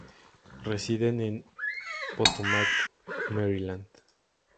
Residen en Potomac, Maryland.